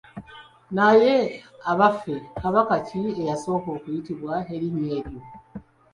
Naye abaffe Kabaka ki eyasooka okuyitibwa erinnya eryo?